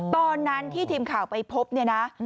ตอนนั้นที่ทีมข่าวไปพบเนี่ยนะ